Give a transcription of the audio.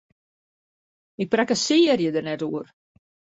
Ik prakkesearje der net oer!